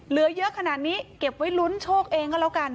เหลือเยอะขนาดนี้เก็บไว้ลุ้นโชคเองก็แล้วกัน